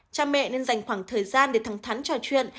cha mẹ nên dành khoảng thời gian để thẳng thắn trò chuyện